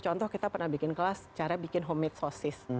contoh kita pernah bikin kelas cara bikin homemade sosis